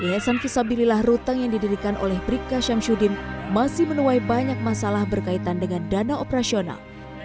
yayasan visabililah ruteng yang didirikan oleh bribka syamsuddin masih menuai banyak masalah berkaitan dengan dana operasional